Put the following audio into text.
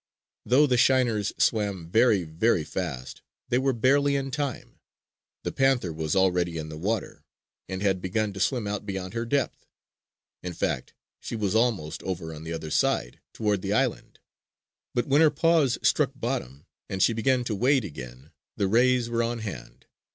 Though the shiners swam very, very fast, they were barely in time. The panther was already in the water, and had begun to swim out beyond her depth. In fact, she was almost over on the other side toward the island. But when her paws struck bottom and she began to wade again, the rays were on hand.